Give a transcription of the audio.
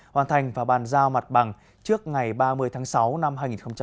hoàn thành và bàn giao mặt bằng trước ngày ba mươi tháng sáu năm hai nghìn hai mươi